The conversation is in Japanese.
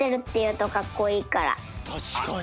たしかに。